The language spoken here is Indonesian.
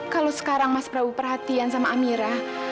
kalau sekarang mas prabu perhatian sama amira